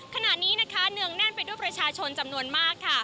ขณะนี้นะคะเนืองแน่นไปด้วยประชาชนจำนวนมากค่ะ